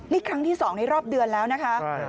นี่ครั้งที่๒ในรอบเดือนแล้วนะคะ